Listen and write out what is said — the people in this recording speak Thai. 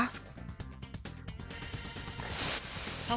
หยุดตกตอนร้องไช่นะ